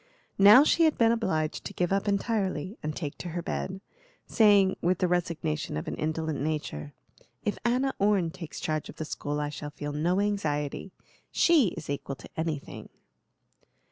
Now she had been obliged to give up entirely and take to her bed, saying, with the resignation of an indolent nature: "If Anna Orne takes charge of the school I shall feel no anxiety. She is equal to anything."